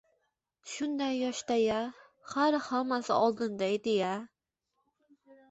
Shunday yoshda-ya, hali hammasi odinda edi-ya